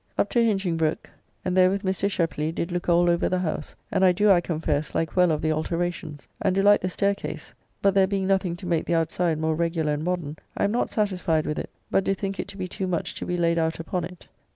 Up to Hinchingbroke, and there with Mr. Sheply did look all over the house, and I do, I confess, like well of the alteracions, and do like the staircase, but there being nothing to make the outside more regular and modern, I am not satisfied with it, but do think it to be too much to be laid out upon it.